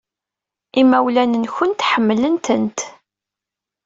Imawlan-nwent ḥemmlen-tent.